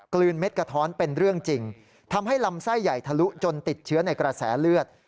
ลืนเม็ดกระท้อนเป็นเรื่องจริงทำให้ลำไส้ใหญ่ทะลุจนติดเชื้อในกระแสเลือด